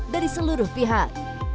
dari seluruh pihak